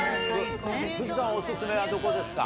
藤さん、お勧めはどこですか。